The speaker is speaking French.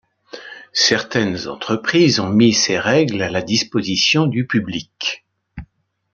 Certaines entreprises ont mis ces règles à la disposition du public.